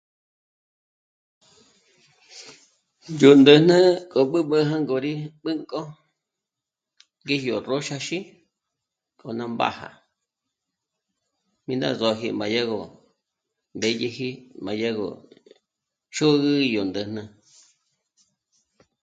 Yó ndä́jnä kó b'íb'i jángo rí b'ĩ́k'o í yó róxaxi kó nú mbàja mí ná só'oji má dyágo mbédyeji má dyágo xú'u í yó ndä́jnä